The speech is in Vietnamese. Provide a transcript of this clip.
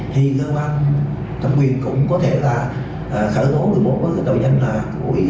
thì cơ quan tâm quyền cũng có thể là khởi tố người bố với cơ quan tâm quyền là